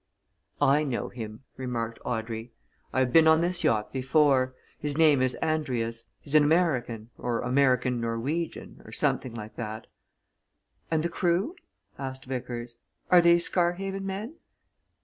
"I know him," remarked Audrey. "I have been on this yacht before. His name is Andrius. He's an American or American Norwegian, or something like that." "And the crew?" asked Vickers. "Are they Scarhaven men?"